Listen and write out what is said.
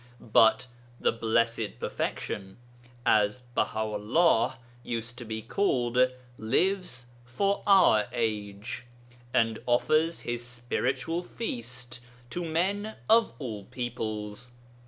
But the 'Blessed Perfection,' as Baha'ullah used to be called, lives for our age, and offers his spiritual feast to men of all peoples.